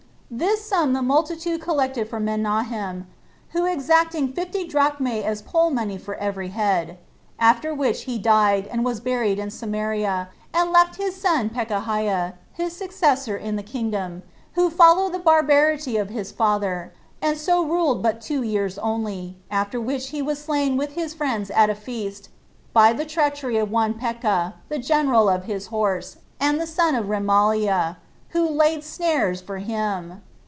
This sum the multitude collected for Menahem, by exacting fifty drachmae as poll money for every head; 23 after which he died, and was buried in Samaria, and left his son Pekahiah his successor in the kingdom, who followed the barbarity of his father, and so ruled but two years only, after which he was slain with his friends at a feast, by the treachery of one Pekah, the general of his horse, and the son of Remaliah, who laid snares for him.